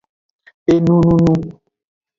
Enununu.